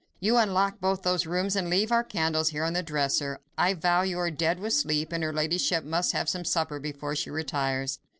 "You unlock both those rooms, and leave our candles here on the dresser. I vow you are dead with sleep, and her ladyship must have some supper before she retires.